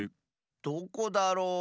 どこだろう？